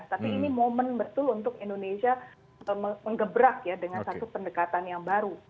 tapi ini momen betul untuk indonesia mengebrak ya dengan satu pendekatan yang baru